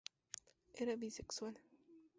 Era bisexual.